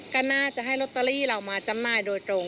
ก็น่าจะให้ลอตเตอรี่เรามาจำหน่ายโดยตรง